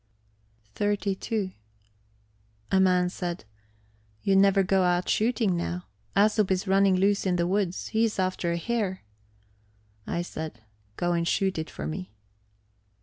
XXXII A man said: "You never go out shooting now? Æsop is running loose in the woods; he is after a hare." I said: "Go and shoot it for me."